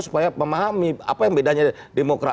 supaya memahami apa yang bedanya demokrat